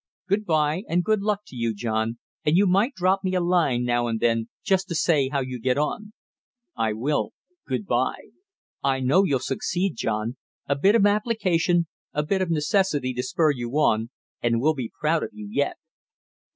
"Good by, and good luck to you, John, and you might drop me a line now and then just to say how you get on." "I will. Good by!" "I know you'll succeed, John. A bit of application, a bit of necessity to spur you on, and we'll be proud of you yet!"